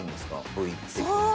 部位的には。